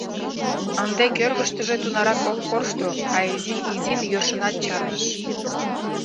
Ынде кӧргыштыжӧ тунарак ок коршто, а изин-изин йӧршынат чарныш.